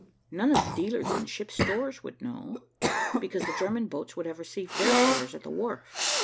None of the dealers in ships' stores would know, because the German boats would have received their stores at the wharf.